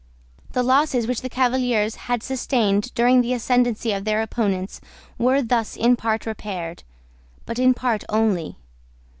The losses which the Cavaliers had sustained during the ascendency of their opponents were thus in part repaired; but in part only.